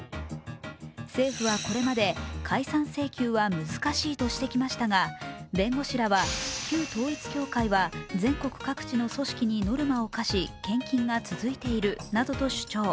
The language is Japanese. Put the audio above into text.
政府はこれまで解散請求は難しいとしてきましたが弁護士らは旧統一教会は全国各地の組織にノルマを課し献金が続いているなどと主張。